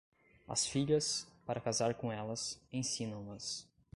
As filhas, para casar com elas, ensinam-nas.